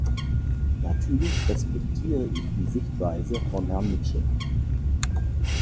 Natürlich respektiere ich die Sichtweise von Herrn Mitchell.